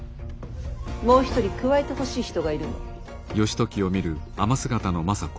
もう一人加えてほしい人がいるの。